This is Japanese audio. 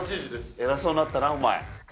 偉そうになったなお前。